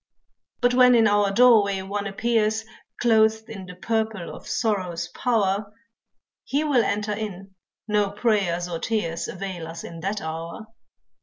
But when in our doorway one appears Clothed in the purple of sorrow's power, He will enter in, no prayers or tears Avail us in that hour.